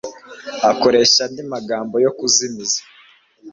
akoresha andi magambo yo kuzimiza.